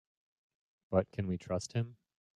But can we trust him?